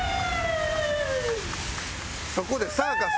そこでサーカス。